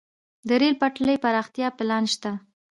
د ریل پټلۍ پراختیا پلان شته